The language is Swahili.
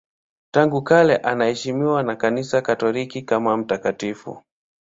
Tangu kale anaheshimiwa na Kanisa Katoliki kama mtakatifu.